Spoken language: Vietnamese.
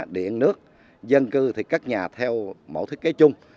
điện nước dân cư thì các nhà theo mẫu thiết kế chung